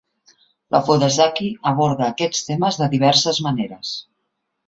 L'ofudesaki aborda aquests temes de diverses maneres.